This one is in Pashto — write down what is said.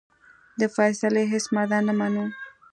د فیصلې هیڅ ماده نه منو.